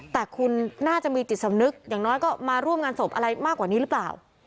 แต่คุณน่าจะมีจิตสำนึกอย่างน้อยก็มาร่วมงานศพอะไรมากกว่านี้หรือเปล่า